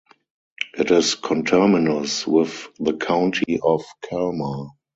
It is conterminous with the county of Kalmar.